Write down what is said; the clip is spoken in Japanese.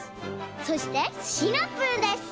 そしてシナプーです。